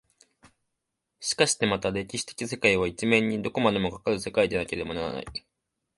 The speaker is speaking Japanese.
しかしてまた歴史的世界は一面にどこまでもかかる世界でなければならない。